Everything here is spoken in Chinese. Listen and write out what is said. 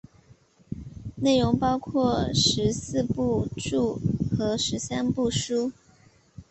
内容包括十四部注和十三部疏。